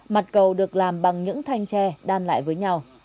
mặt cầu được làm bằng những thanh tre đan lại với nhau